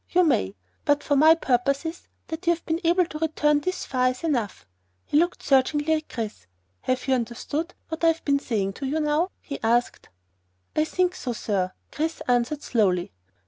You may. But for my purposes, that you have been able to return this far is enough." He looked searchingly at Chris. "Have you understood what I have been saying up to now?" he asked. "I think so, sir," Chris answered slowly.